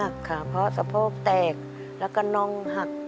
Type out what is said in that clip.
หักค่ะเพราะสะโพกแตกแล้วก็น้องหัก